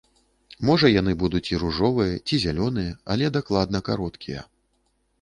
Можа яны будуць і ружовыя, ці зялёныя, але дакладна кароткія.